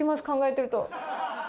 考えてると。